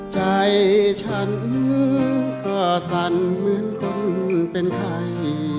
ใจฉันก็สั่นเหมือนคนเป็นใคร